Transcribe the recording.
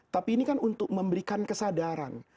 tapi ini kan untuk memberikan kesadaran